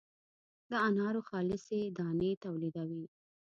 او د انارو خالصې دانې تولیدوي.